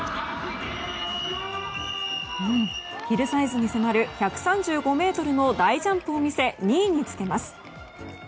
ヒルサイズに迫る１３５ｍの大ジャンプを見せ２位につけます。